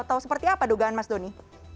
atau seperti apa dugaan mas doni